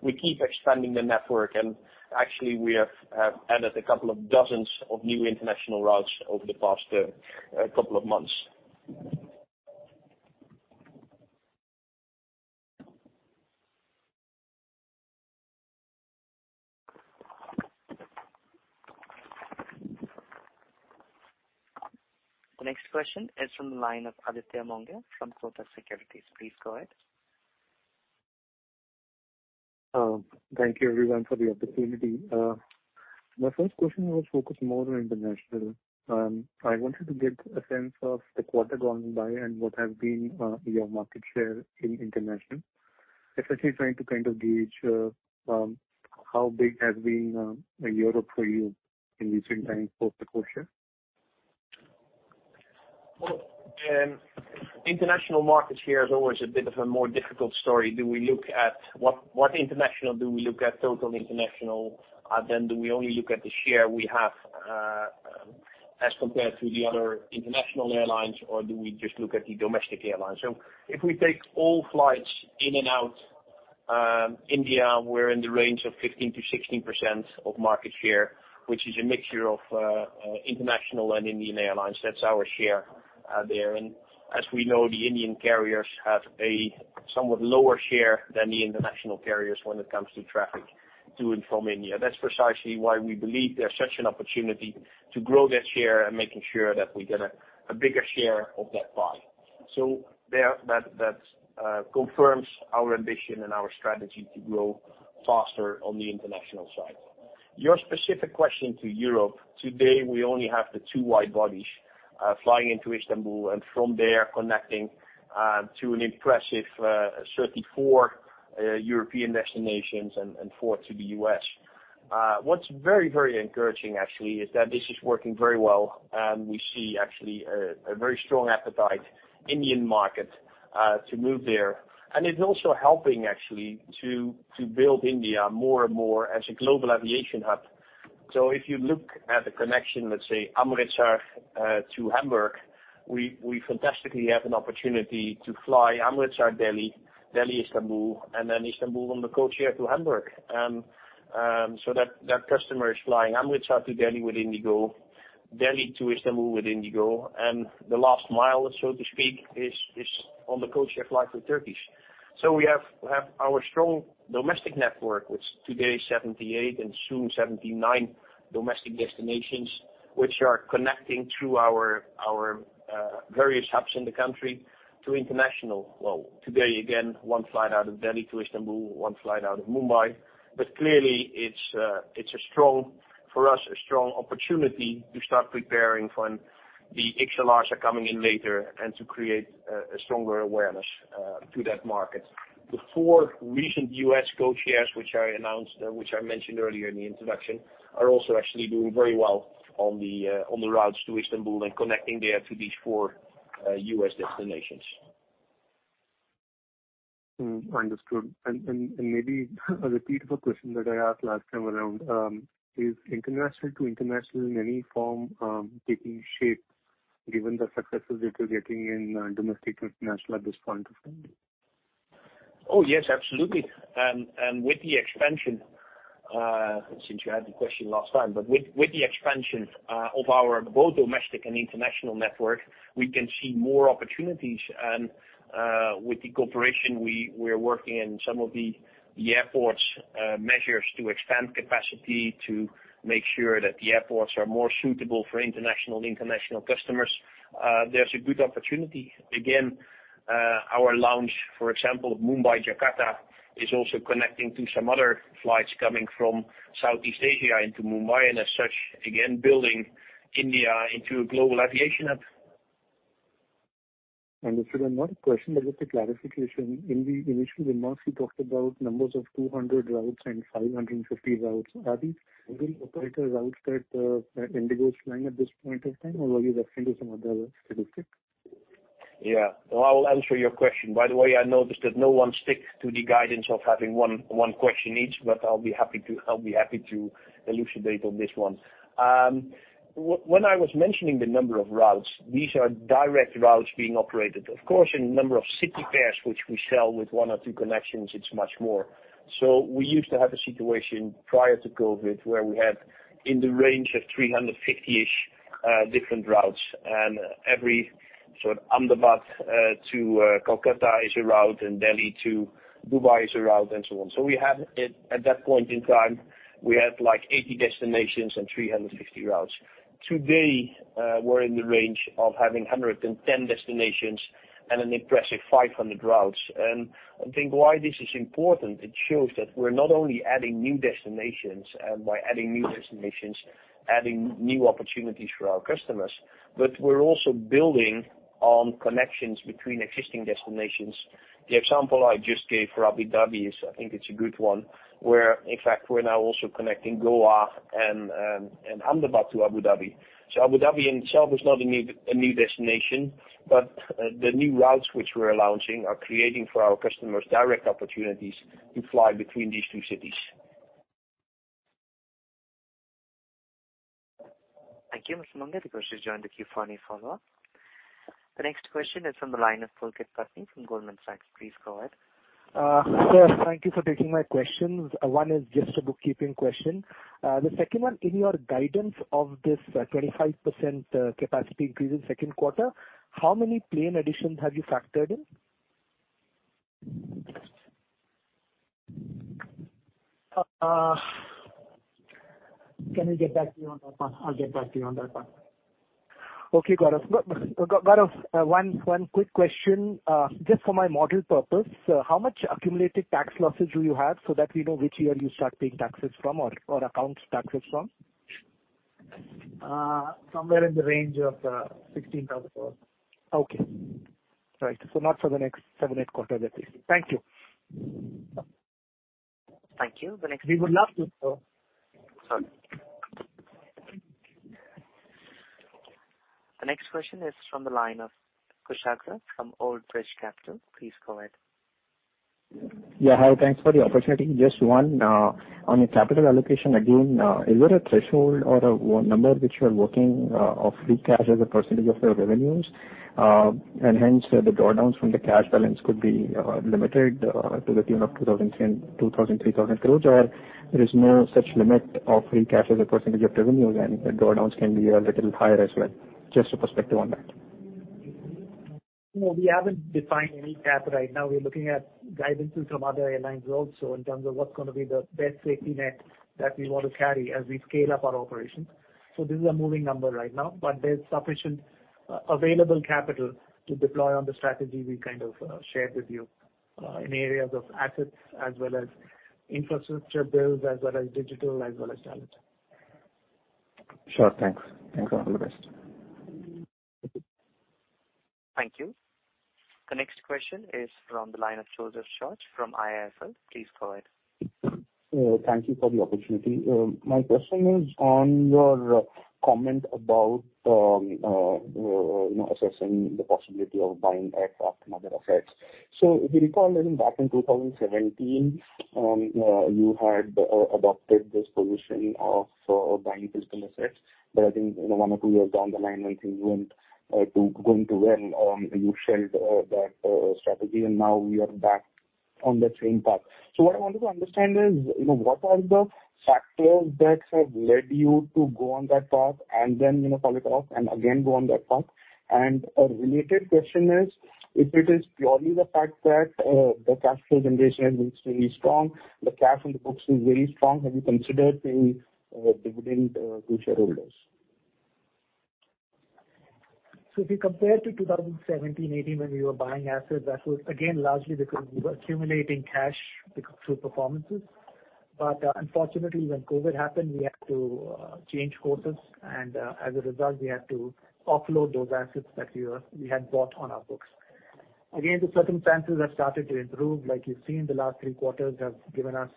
We keep expanding the network, and actually we have, have added a couple of dozens of new international routes over the past couple of months. The next question is from the line of Aditya Mongia from Kotak Securities. Please go ahead. Thank you, everyone, for the opportunity. My first question was focused more on international. I wanted to get a sense of the quarter gone by and what have been, your market share in international. Especially, trying to kind of gauge, how big has been, Europe for you in recent times, post the COVID share? Well, international market share is always a bit of a more difficult story. Do we look at what, what international do we look at, total international? Do we only look at the share we have as compared to the other international airlines, or do we just look at the domestic airlines? So if we take all flights in and out, India, we're in the range of 15%-16% of market share, which is a mixture of international and Indian airlines. That's our share there. As we know, the Indian carriers have a somewhat lower share than the international carriers when it comes to traffic to and from India. That's precisely why we believe there's such an opportunity to grow that share and making sure that we get a, a bigger share of that pie. That confirms our ambition and our strategy to grow faster on the international side. Your specific question to Europe, today, we only have the two wide-bodies flying into Istanbul, and from there, connecting to an impressive 34 European destinations and 4 to the US. What's very, very encouraging, actually, is that this is working very well, and we see actually a very strong appetite, Indian market, to move there. It's also helping actually to build India more and more as a global aviation hub. If you look at the connection, let's say, Amritsar, to Hamburg, we fantastically have an opportunity to fly Amritsar, Delhi, Delhi, Istanbul, and then Istanbul on the codeshare to Hamburg. That, that customer is flying Amritsar to Delhi with IndiGo, Delhi to Istanbul with IndiGo, and the last mile, so to speak, is, is on the codeshare flight with Turkish Airlines. We have, we have our strong domestic network, which today, 78 and soon 79 domestic destinations, which are connecting through our, our various hubs in the country to international. Today, again, one flight out of Delhi to Istanbul, one flight out of Mumbai. Clearly, it's, it's a strong. For us, a strong opportunity to start preparing for when the XLRs are coming in later and to create a, a stronger awareness to that market. The 4 recent U.S. co-chairs, which I announced, which I mentioned earlier in the introduction, are also actually doing very well on the, on the routes to Istanbul and connecting there to these 4, U.S. destinations. Understood. Is international to international in any form, taking shape, given the successes that you're getting in domestic international at this point of time? Oh, yes, absolutely. With the expansion, since you had the question last time, but with, with the expansion, of our both domestic and international network, we can see more opportunities. With the cooperation, we, we are working in some of the, the airports, measures to expand capacity, to make sure that the airports are more suitable for international and international customers. There's a good opportunity. Again, our lounge, for example, Mumbai, Jakarta, is also connecting to some other flights coming from Southeast Asia into Mumbai, and as such, again, building India into a global aviation hub. Sir, another question, but just a clarification. In the initial remarks, you talked about numbers of 200 routes and 550 routes. Are these operating routes that, IndiGo is flying at this point in time, or are you referring to some other statistics? Yeah. Well, I will answer your question. By the way, I noticed that no one stick to the guidance of having 1, 1 question each, but I'll be happy to, I'll be happy to elucidate on this one. When I was mentioning the number of routes, these are direct routes being operated. Of course, in number of city pairs, which we sell with 1 or 2 connections, it's much more. We used to have a situation prior to COVID, where we had in the range of 350-ish different routes, and every sort of Ahmedabad to Kolkata is a route, and Delhi to Dubai is a route, and so on. We had, at that point in time, we had, like, 80 destinations and 350 routes. Today, we're in the range of having 110 destinations and an impressive 500 routes. I think why this is important, it shows that we're not only adding new destinations, and by adding new destinations, adding new opportunities for our customers, but we're also building on connections between existing destinations. The example I just gave for Abu Dhabi is I think it's a good one, where, in fact, we're now also connecting Goa and Ahmedabad to Abu Dhabi. Abu Dhabi in itself is not a new, a new destination, but the new routes which we're launching are creating for our customers, direct opportunities to fly between these two cities. Thank you, Mr. Mongia. The question has joined the queue for any follow-up. The next question is from the line of Pulkit Patni from Goldman Sachs. Please go ahead. Sir, thank you for taking my questions. One is just a bookkeeping question. The second one, in your guidance of this, 25%, capacity increase in second quarter, how many plane additions have you factored in? Can we get back to you on that one? I'll get back to you on that one. Okay, Gaurav. Gaurav, one quick question, just for my model purpose, how much accumulated tax losses do you have, so that we know which year you start paying taxes from or, or account taxes from? Somewhere in the range of $16,000. Okay. Right. Not for the next seven, eight quarters at least. Thank you. Thank you. The next- We would love to, so... Sorry. The next question is from the line of Kushagra from Old Bridge Capital. Please go ahead. Yeah, hi, thanks for the opportunity. Just one, on a capital allocation, again, is there a threshold or a one number which you are working, of free cash as a percentage of your revenues? Hence, the drawdowns from the cash balance could be limited to the tune of INR 2,003 crore, 2,000 crore, 3,000 crore, or there is no such limit of free cash as a percentage of revenues, and the drawdowns can be a little higher as well? Just a perspective on that. No, we haven't defined any cap right now. We're looking at guidances from other airlines also in terms of what's going to be the best safety net that we want to carry as we scale up our operations. This is a moving number right now, but there's sufficient available capital to deploy on the strategy we kind of shared with you in areas of assets as well as infrastructure builds, as well as digital, as well as talent. Sure. Thanks. Thanks, and all the best. Thank you. The next question is from the line of Joseph George from IIFL. Please go ahead. Thank you for the opportunity. My question is on your comment about, you know, assessing the possibility of buying aircraft and other assets. If you recall, I think back in 2017, you had adopted this position of buying physical assets, but I think, you know, 1 or 2 years down the line, when things went, going too well, you shelved that strategy, and now we are back on the same path. What I wanted to understand is, you know, what are the factors that have led you to go on that path and then, you know, call it off and again go on that path? A related question is, if it is purely the fact that the cash flow generation is extremely strong, the cash on the books is very strong, have you considered paying dividend to shareholders? If you compare to 2017, 2018, when we were buying assets, that was again, largely because we were accumulating cash through performances. Unfortunately, when COVID happened, we had to change courses, and as a result, we had to offload those assets that we were, we had bought on our books. The circumstances have started to improve. Like you've seen, the last three quarters have given us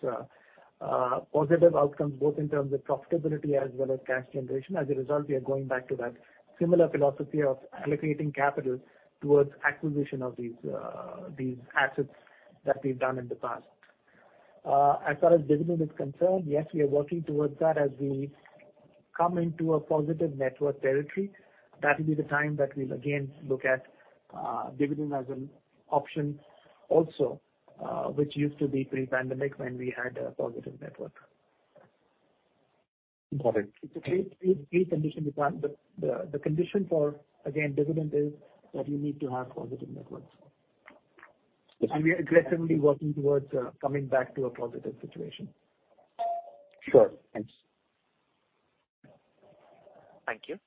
positive outcomes, both in terms of profitability as well as cash generation. As a result, we are going back to that similar philosophy of allocating capital towards acquisition of these assets that we've done in the past. As far as dividend is concerned, yes, we are working towards that. As we come into a positive network territory, that will be the time that we'll again look at, dividend as an option also, which used to be pre-pandemic when we had a positive network. Got it. It's a pre-condition, because the condition for, again, dividend is that you need to have positive networks. Yes. We are aggressively working towards, coming back to a positive situation. Sure. Thanks. Thank you.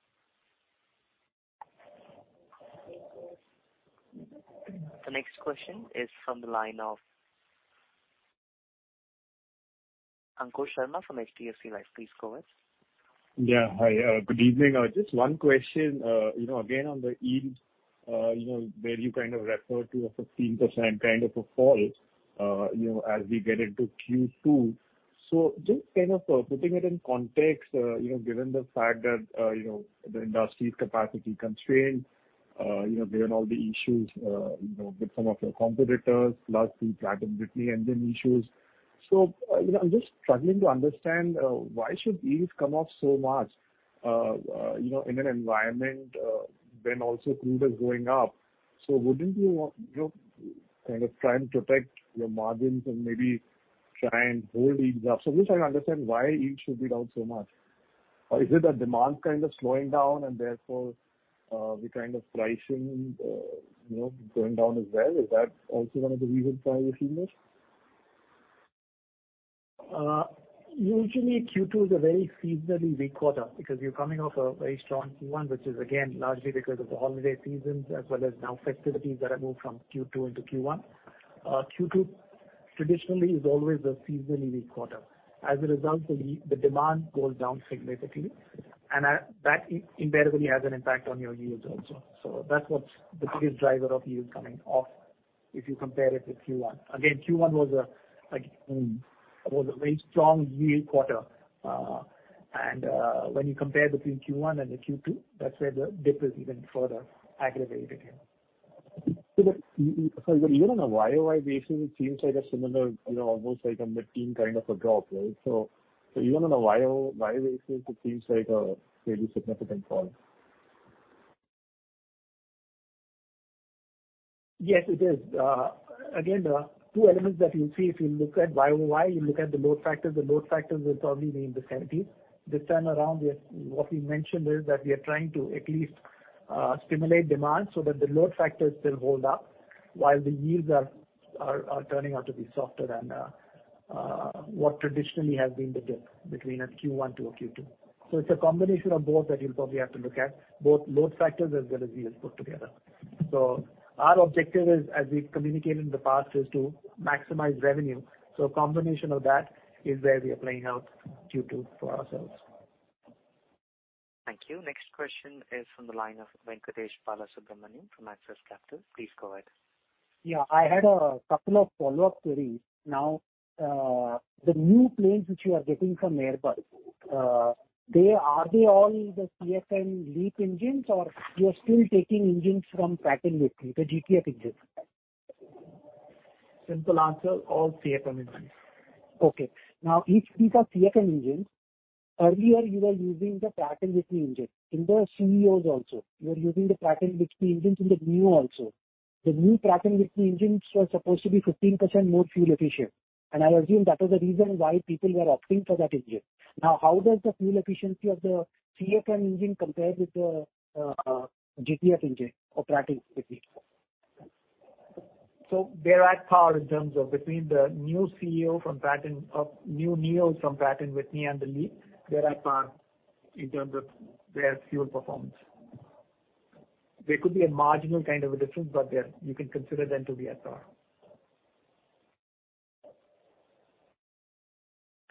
The next question is from the line of Ankush Sharma from HDFC Life. Please go ahead. Yeah. Hi, good evening. Just one question. You know, again, on the yield, you know, where you kind of refer to a 15% kind of a fall, you know, as we get into Q2. Just kind of putting it in context, you know, given the fact that, you know, the industry is capacity constrained, you know, given all the issues, you know, with some of your competitors, plus the Pratt & Whitney engine issues. You know, I'm just struggling to understand why should yields come off so much, you know, in an environment when also crude is going up? Wouldn't you want, you know, kind of try and protect your margins and maybe try and hold yields up? I'm just trying to understand why yields should be down so much. Is it that demand kind of slowing down, and therefore, the kind of pricing, you know, going down as well? Is that also one of the reasons why we're seeing this? Usually Q2 is a very seasonally weak quarter, because you're coming off a very strong Q1, which is again, largely because of the holiday seasons, as well as now festivities that have moved from Q2 into Q1. Q2 traditionally is always a seasonally weak quarter. As a result, the demand goes down significantly, and that, that invariably has an impact on your yields also. That's what's the biggest driver of yields coming off if you compare it with Q1. Again, Q1 was a, like, was a very strong yield quarter. When you compare between Q1 and the Q2, that's where the dip is even further aggravated here. That, even on a YOY basis, it seems like a similar, you know, almost like a mid-teen kind of a drop, right? Even on a YOY basis, it seems like a very significant fall. Yes, it is. Again, the two elements that you'll see if you look at YOY, you look at the load factors. The load factors will probably be in the 70s. This time around, what we mentioned is that we are trying to at least stimulate demand so that the load factors still hold up, while the yields are, are, are turning out to be softer than what traditionally has been the dip between a Q1 to a Q2. It's a combination of both that you'll probably have to look at, both load factors as well as yields put together. Our objective is, as we've communicated in the past, is to maximize revenue. A combination of that is where we are playing out Q2 for ourselves. Thank you. Next question is from the line of Venkatesh Balasubramaniam from Axis Capital. Please go ahead. Yeah, I had a couple of follow-up queries. Now, the new planes which you are getting from Airbus, are they all the CFM LEAP engines, or you are still taking engines from Pratt & Whitney, the GTF engines? Simple answer, all CFM engines. Okay. Now, if these are CFM engines, earlier you were using the Pratt & Whitney engine. In the CEO also, you were using the Pratt & Whitney engines, in the NEO also. The new Pratt & Whitney engines were supposed to be 15% more fuel efficient, and I assume that was the reason why people were opting for that engine. Now, how does the fuel efficiency of the CFM engine compare with the GTF engine or Pratt & Whitney? They're at par in terms of between the new CEO from Pratt & new NEOs from Pratt & Whitney and the LEAP. They're at par in terms of their fuel performance. There could be a marginal kind of a difference, but they're, you can consider them to be at par.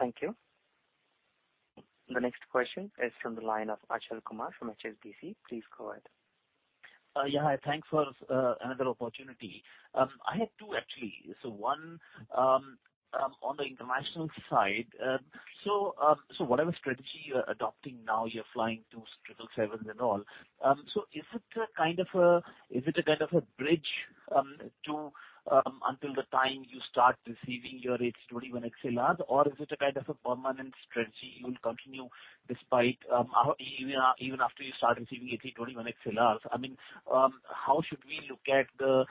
Thank you. The next question is from the line of Achal Kumar from HSBC. Please go ahead. Yeah, hi. Thanks for another opportunity. I had two actually. One, on the international side. Whatever strategy you are adopting now, you're flying to triple sevens and all. Is it a kind of a bridge to until the time you start receiving your A321XLR, or is it a kind of a permanent strategy you will continue despite how, even, even after you start receiving A321XLRs? I mean, how should we look at the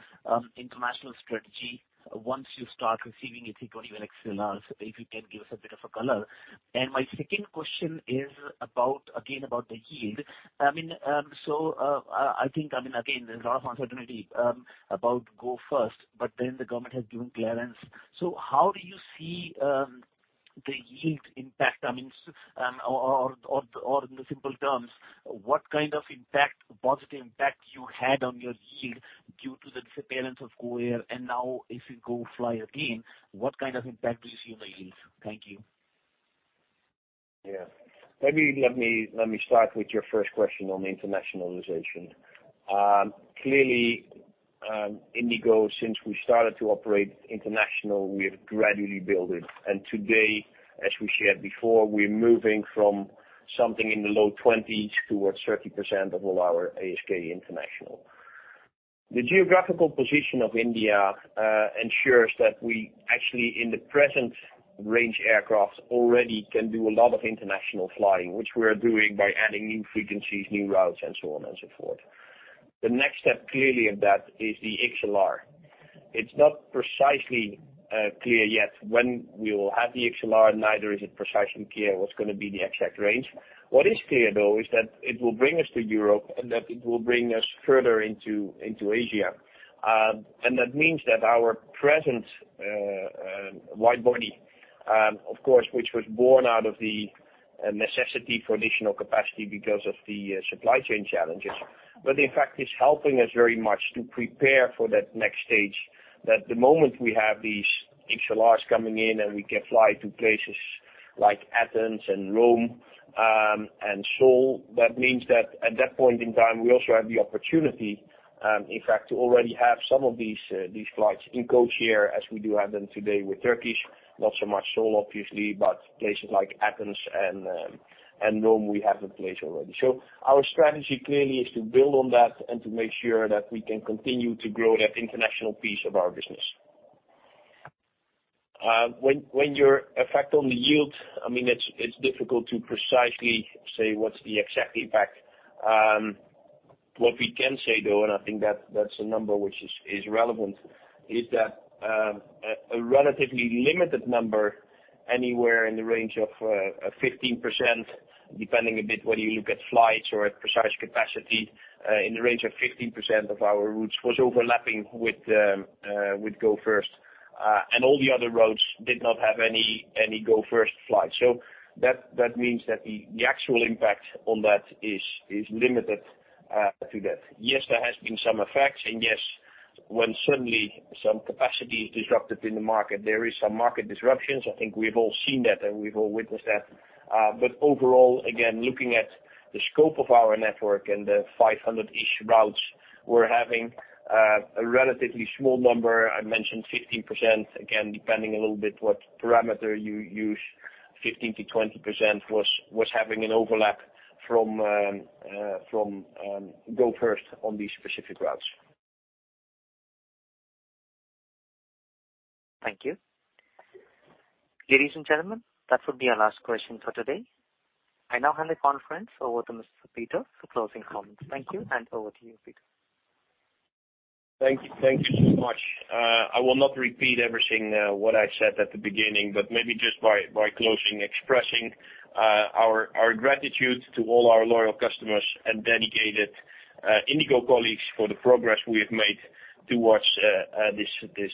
international strategy once you start receiving A321XLRs? If you can give us a bit of a color. My second question is about, again, about the yield. I mean, I think, I mean, again, there's a lot of uncertainty about Go First, but then the government has given clearance. How do you see, the yield impact? I mean, or, or, or in the simple terms, what kind of impact, positive impact, you had on your yield due to the disappearance of Go First, and now if you go fly again, what kind of impact do you see on the yield? Thank you. Yeah. Maybe let me, let me start with your first question on internationalization. clearly, IndiGo, since we started to operate international, we have gradually built it. Today, as we shared before, we're moving from something in the low 20s towards 30% of all our ASK international. The geographical position of India ensures that we actually, in the present range aircraft, already can do a lot of international flying, which we are doing by adding new frequencies, new routes, and so on and so forth. The next step, clearly, of that is the XLR. It's not precisely clear yet when we will have the XLR, neither is it precisely clear what's gonna be the exact range. What is clear, though, is that it will bring us to Europe, and that it will bring us further into, into Asia. That means that our present wide-body, of course, which was born out of the necessity for additional capacity because of the supply chain challenges. In fact, it's helping us very much to prepare for that next stage, that the moment we have these XLRs coming in, and we can fly to places like Athens and Rome, and Seoul. That means that at that point in time, we also have the opportunity, in fact, to already have some of these flights in codeshare, as we do have them today with Turkish Airlines. Not so much Seoul, obviously, but places like Athens and Rome, we have in place already. Our strategy, clearly, is to build on that and to make sure that we can continue to grow that international piece of our business. When, when your effect on the yield, I mean, it's, it's difficult to precisely say what's the exact impact. What we can say, though, and I think that, that's a number which is, is relevant, is that, a, a relatively limited number, anywhere in the range of 15%, depending a bit whether you look at flights or at precise capacity. In the range of 15% of our routes was overlapping with Go First, and all the other routes did not have any, any Go First flights. That, that means that the, the actual impact on that is, is limited to that. Yes, there has been some effects, and yes, when suddenly some capacity is disrupted in the market, there is some market disruptions. I think we've all seen that, and we've all witnessed that. Overall, again, looking at the scope of our network and the 500-ish routes, we're having a relatively small number. I mentioned 15%. Again, depending a little bit what parameter you use, 15%-20% was having an overlap from Go First on these specific routes. Thank you. Ladies and gentlemen, that would be our last question for today. I now hand the conference over to Mr. Pieter for closing comments. Thank you, and over to you, Pieter. Thank you. Thank you so much. I will not repeat everything, what I said at the beginning, but maybe just by, by closing, expressing, our, our gratitude to all our loyal customers and dedicated, IndiGo colleagues for the progress we have made towards, this, this,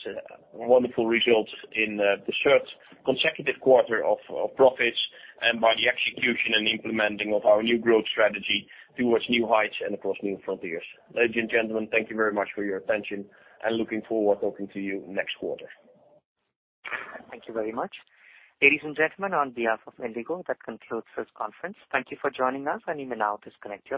wonderful results in, the third consecutive quarter of, of profits, and by the execution and implementing of our new growth strategy towards new heights and, of course, new frontiers. Ladies and gentlemen, thank you very much for your attention, and looking forward talking to you next quarter. Thank you very much. Ladies and gentlemen, on behalf of IndiGo, that concludes this conference. Thank you for joining us, and you may now disconnect your lines.